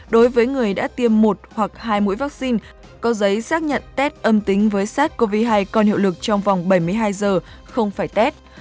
đối với người đã tiêm một hoặc hai mũi vaccine có giấy xác nhận test âm tính với sars cov hai còn hiệu lực trong vòng bảy mươi hai giờ không phải tết